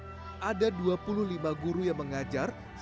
berkampung dengan perusahaan kursi desa dan biaya pendidikan murid